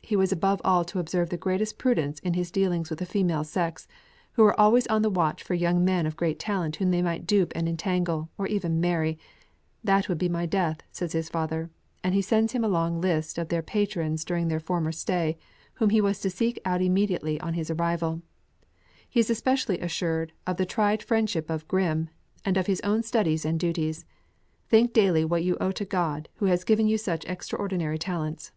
He was above all to observe the greatest prudence in his dealings with the female sex, who were always on the watch for young men of great talent whom they might dupe and entangle, or even marry; "that would be my death," says his father, and he sends him a long list {MANNHEIM.} (410) of their patrons during their former stay, whom he was to seek out immediately on his arrival. He is especially assured of the tried friendship of Grimm, and of his own studies and duties: "Think daily what you owe to God, who has given you such extraordinary talents."